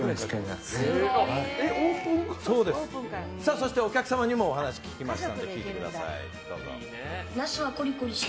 そしてお客様にも話を聞いてみました。